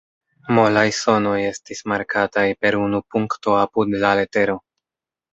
Molaj sonoj estis markataj per unu punkto apud la letero.